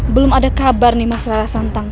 belum ada kabar nih mas rara santang